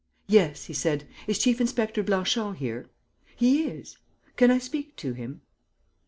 "Yes," he said. "Is Chief inspector Blanchon here?" "He is." "Can I speak to him?"